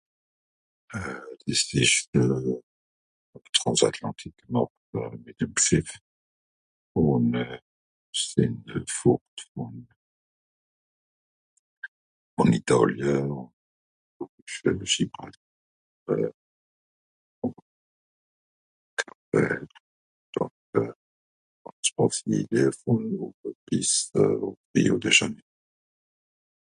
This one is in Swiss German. euh des esch euh transatlantique gemàcht hà mìt'm schìff ùn euh sìn e fòrt ... ùn itàlie .... (son coupé par le micro) ...... ...bìs de rio de janeiro